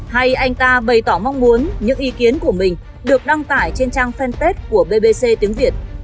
hay anh ta bày tỏ mong muốn những ý kiến của mình được đăng tải trên trang fanpage của bbc tiếng việt